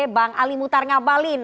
bang ali mutar ngabalin